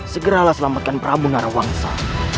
segeralah selamatkan prabu narawangsa